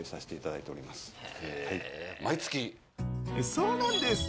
そうなんです。